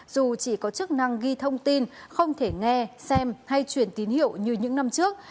dù chỉ có chức năng ghi thông tin không thể nghe xem hay truyền tín hiệu như những năm trước